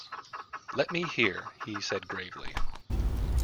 "Let me hear," he said gravely.